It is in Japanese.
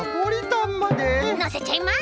のせちゃいます！